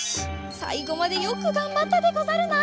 さいごまでよくがんばったでござるな。